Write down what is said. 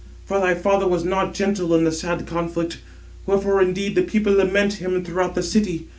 For thy father was not gentle in the sad conflict; wherefore indeed the people lament him throughout the city.